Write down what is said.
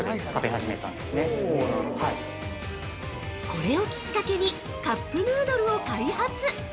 ◆これをきっかけにカップヌードルを開発。